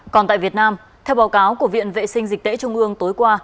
còn tại việt nam theo báo cáo của viện vệ sinh dịch tễ trung ương tối qua